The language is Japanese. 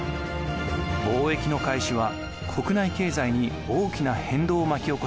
貿易の開始は国内経済に大きな変動を巻き起こしました。